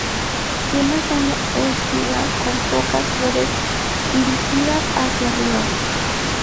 Tiene una espiga con pocas flores dirigidas hacia arriba.